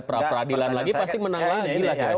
peradilan lagi pasti menang lagi